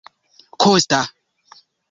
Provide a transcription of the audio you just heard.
Kosta!